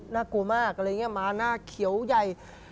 น่ากลัวมากอะไรอย่างนี้มาหน้าเขียวใหญ่